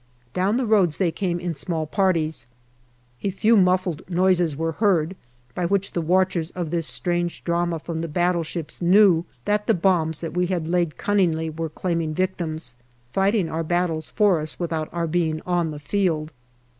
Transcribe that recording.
Down the roads they came in small parties. A few muffled noises were heard, by which the watchers of this strange drama from the battleships knew that the bombs that we had laid cunningly were claiming victims, fighting our battles for us without our being on the field.